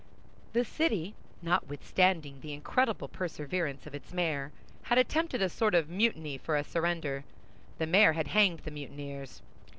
The city, notwithstanding the incredible perseverance of its mayor, had attempted a sort of mutiny for a surrender; the mayor had hanged the mutineers.